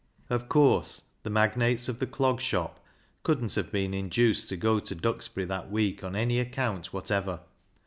Of course the magnates of the Clog Shop couldn't have been induced to go to Duxbury that week on any account whatever.